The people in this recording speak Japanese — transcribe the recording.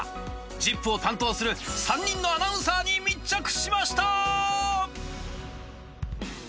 『ＺＩＰ！』を担当する３人のアナウンサーに密着しました